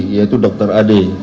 yaitu dr ade